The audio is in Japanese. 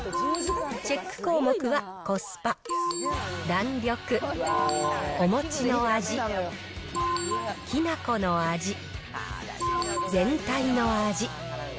チェック項目はコスパ、弾力、お餅の味、きな粉の味、全体の味。